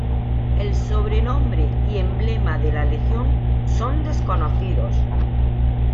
El sobrenombre y emblema de la legión son desconocidos.